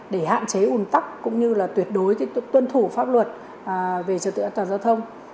để hạn chế uổn tắc cũng như tuyệt đối tuân thủ pháp luật về trợ tự an toàn giao thông